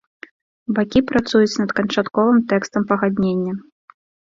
Бакі працуюць над канчатковым тэкстам пагаднення.